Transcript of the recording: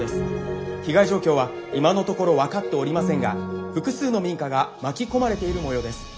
被害状況は今のところ分かっておりませんが複数の民家が巻き込まれているもようです。